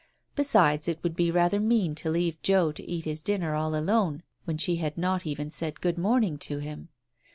Besides, it would be rather mean to leave Joe to eat his dinner all alone when she had not even said good morning to him.